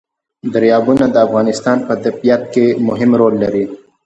دریابونه د افغانستان په طبیعت کې مهم رول لري.